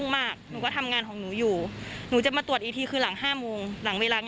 มันก็ไม่ได้ต่างกันหวยมันออกมาแล้วตรงนี้อะใช่ไหม